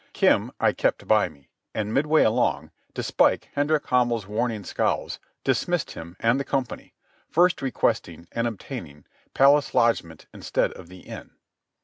Kim I kept by me, and midway along, despite Hendrik Hamel's warning scowls, dismissed him and the company, first requesting, and obtaining, palace lodgment instead of the inn.